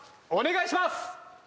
お願いします。